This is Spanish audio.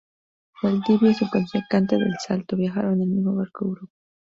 Valdivia y su contrincante, Del Salto, viajaron en el mismo barco a Europa.